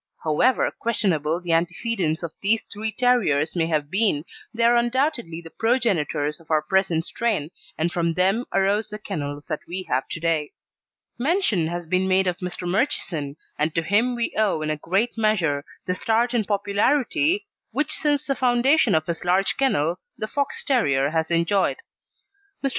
However questionable the antecedents of these three terriers may have been, they are undoubtedly the progenitors of our present strain, and from them arose the kennels that we have to day. Mention has been made of Mr. Murchison, and to him we owe in a great measure the start in popularity which since the foundation of his large kennel the Fox terrier has enjoyed. Mr.